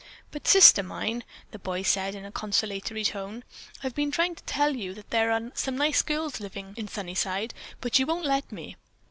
"But, Sister mine," the boy said in a conciliatory tone. "I've been trying to tell you that there are some nice girls living in Sunnyside, but you won't let me.